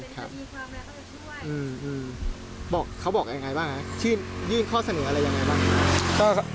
เค้าบอกยื่นข้อเสนออะไรบ้าง